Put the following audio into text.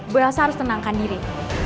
biasa harus tenangkan diri